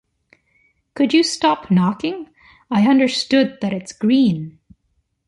Could you stop knocking? I understood that it’s green!